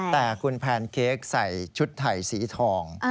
แต่คุณแพนเค้กใส่ชุดไทยสีทอง